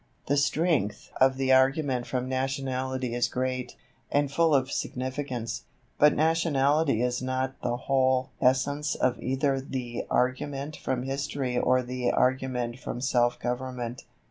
The strength of the argument from Nationality is great, and full of significance; but Nationality is not the whole essence of either the argument from History or the argument from Self government.